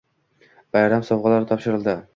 Bayram sovg‘alari topshirildi